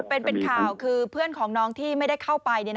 เป็นข่าวคือเพื่อนของน้องที่ไม่ได้เข้าไป